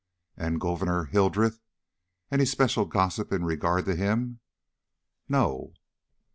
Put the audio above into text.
"And Gouverneur Hildreth? Any special gossip in regard to him?" "No!"